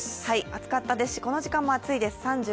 暑かったですし、この時間も暑いです。